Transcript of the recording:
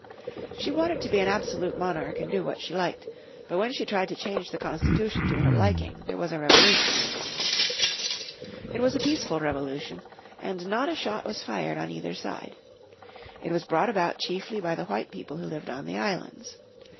She wanted to be an absolute monarch, and do what she liked. But when she tried to change the constitution to her liking there was a revolution. It was a peaceful revolution, and not a shot was fired on either side. It was brought about chiefly by the white people who lived in the islands.